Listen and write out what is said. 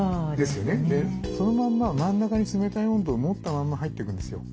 そのまんま真ん中に冷たい温度を持ったまんま入っていくんですよ。